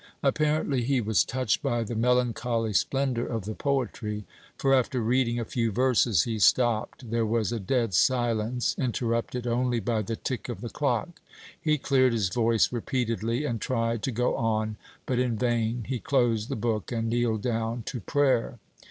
Apparently he was touched by the melancholy splendor of the poetry, for after reading a few verses he stopped. There was a dead silence, interrupted only by the tick of the clock. He cleared his voice repeatedly, and tried to go on, but in vain. He closed the book, and kneeled down to prayer.